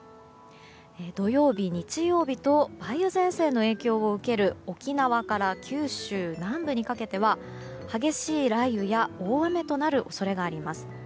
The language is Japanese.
土曜日、日曜日と梅雨前線の影響を受ける沖縄から九州南部にかけては激しい雷雨や大雨となる恐れがあります。